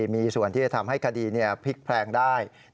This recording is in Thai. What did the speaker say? มีส่วนที่จะทำให้คดีพลิกแพลงได้